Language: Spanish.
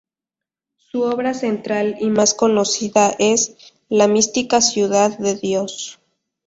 Su obra central y más conocida es "La Mística Ciudad de Dios".